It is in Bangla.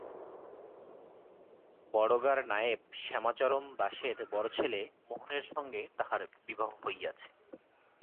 বড়গার নায়েব শ্যামাচরণ দাসের বড়ছেলে মোহনের সঙ্গে তাহার বিবাহ হইয়াছে।